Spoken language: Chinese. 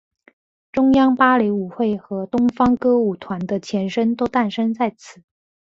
中央芭蕾舞团和东方歌舞团的前身都诞生在此。